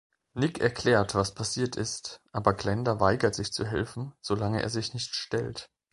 Nick erklärt, was passiert ist, aber Glenda weigert sich zu helfen, solange er sich nicht stellt.